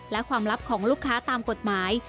และความลับของลูกค้าตามกฎหมาย